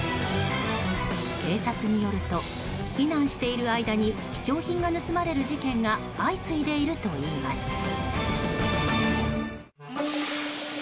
警察によると、避難している間に貴重品が盗まれる事件が相次いでいるといいます。